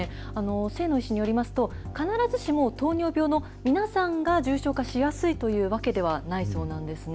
清野医師によりますと、必ずしも糖尿病の皆さんが重症化しやすいというわけではないそうなんですね。